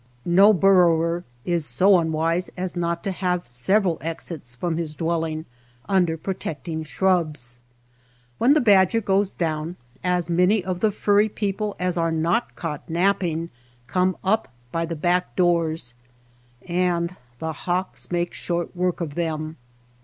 No burrower is so unwise as not to have several exits from his dwelling under pro tecting shrubs. When the badger goes down, as many of the furry people as are not caught napping come up by the back doors, and the hawks make short work of them.